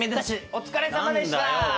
お疲れさまでした！